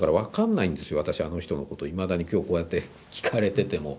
私あの人のこといまだに今日こうやって聞かれてても。